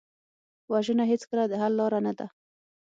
وژنه هېڅکله د حل لاره نه ده